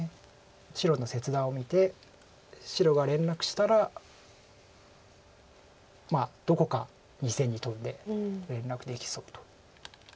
白の切断を見て白が連絡したらまあどこか２線にトンで連絡できそうと。